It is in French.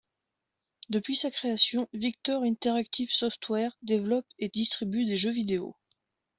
Depuis sa création, Victor Interactive Software développe et distribue des jeux vidéo.